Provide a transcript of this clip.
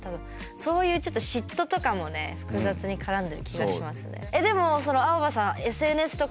そういう嫉妬とかも複雑に絡んでる気がしますね。